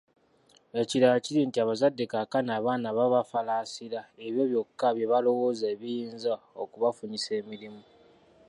Ekirala kiri nti abazadde kaakano abaana babafalaasira ebyo byokka bye balowooza biyinza okubafunyisa emirimu,